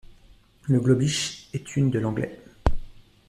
Le globish est une de l'anglais.